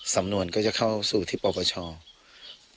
สำนวนก็จะเข้าสู่ที่ปปช